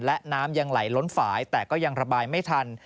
และน้ำยังไหลล้นฝ่ายแต่ก็ยังระบายไม่ทัน